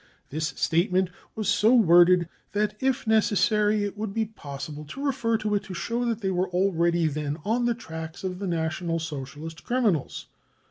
This statement was so worded that if necessary it would be possible to refer to it to show that they were already then on the tracks of the National Socialist criminals.